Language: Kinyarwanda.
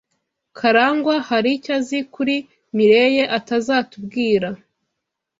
Karangwa hari icyo azi kuri Mirelle atazatubwira.